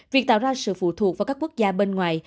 việc tạo ra sự phụ thuộc vào các quốc gia bên ngoài